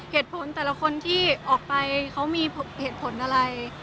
เหตุผลแต่ละคนที่ออกไปเขามีเหตุผลอะไร